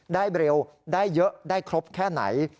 ได้เร็วได้เยอะได้ครบแค่ไหน